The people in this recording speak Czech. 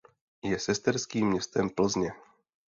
Je sesterským městem Plzně.